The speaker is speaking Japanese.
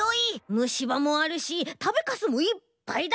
むしばもあるしたべカスもいっぱいだ！